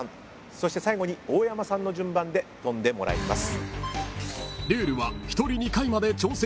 そして最後に大山さんの順番で跳んでもらいます。